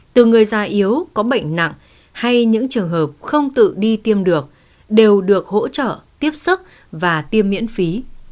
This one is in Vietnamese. từ người già yếu có bệnh nặng hay những trường hợp không tự đi tiêm được đều được hỗ trợ tiếp sức và tiêm miễn phí